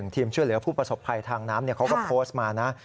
ทีมช่วยเหลือผู้ประสบภัยทางน้ำเขาก็โพสต์มานะ